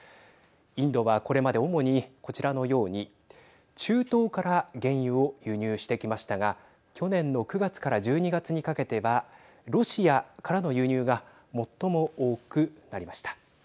インドはこれまで主にこちらのように中東から原油を輸入してきましたが去年の９月から１２月にかけてはロシアからの輸入が最も多くなりました。